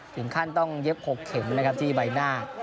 ถึงขั้นเเย็บ๖เข็มที่ใบหน้า